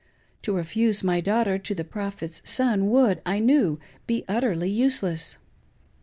To refuse my daughter to the Prophet's son, would, I knew, be utterly use less.